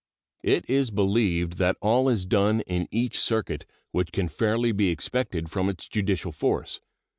It is believed that all is done in each circuit which can fairly be expected from its judicial force.